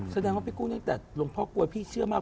แสดงว่าพี่กุ้งตั้งแต่หลวงพ่อกลวยพี่เชื่อมาก